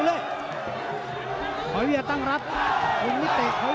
หรือว่าผู้สุดท้ายมีสิงคลอยวิทยาหมูสะพานใหม่